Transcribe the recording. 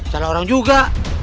salah orang juga